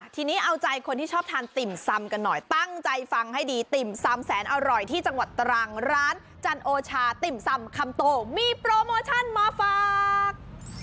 ทีนี้เอาใจคนที่ชอบทานติ่มซำกันหน่อยตั้งใจฟังให้ดีติ่มซำแสนอร่อยที่จังหวัดตรังร้านจันโอชาติ่มซำคำโตมีโปรโมชั่นมาฝาก